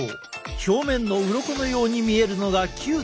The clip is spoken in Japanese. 表面のうろこのように見えるのがキューティクル。